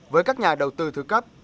với các nhà đầu tư thứ cấp